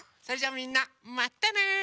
それじゃあみんなまたね！